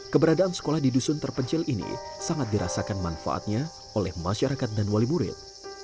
keberadaan sekolah di dusun terpencil ini sangat dirasakan manfaatnya oleh masyarakat dan wali murid